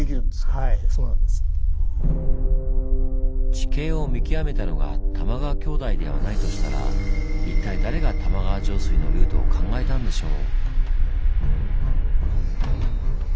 地形を見極めたのが玉川兄弟ではないとしたら一体誰が玉川上水のルートを考えたんでしょう？